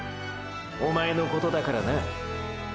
おまえのことだからな。